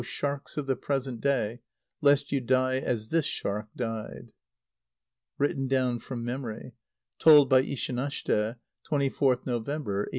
sharks of the present day, lest you die as this shark died! (Written down from memory. Told by Ishanashte, 24th November, 1886.)